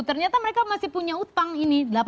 ternyata mereka masih punya utang ini